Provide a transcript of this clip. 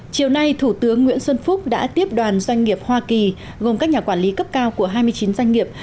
chiều nay thủ tướng nguyễn xuân phúc đã tiếp đoàn doanh nghiệp hoa kỳ gồm các nhà quản lý cấp cao của hai mươi chín doanh nghiệp